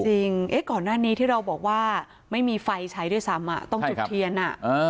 จริงเอ๊ะก่อนหน้านี้ที่เราบอกว่าไม่มีไฟใช้ด้วยซ้ำอ่ะใช่ครับต้องจุดเทียนอ่ะ